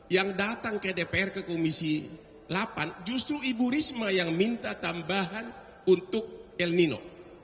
yang datang ke dpr ke komisi delapan justru ibu risma yang minta tambahan untuk el nino